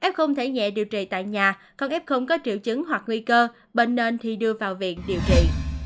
f thể nhẹ điều trị tại nhà còn f có triệu chứng hoặc nguy cơ bệnh nên thì đưa vào viện điều trị